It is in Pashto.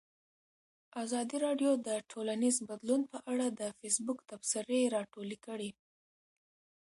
ازادي راډیو د ټولنیز بدلون په اړه د فیسبوک تبصرې راټولې کړي.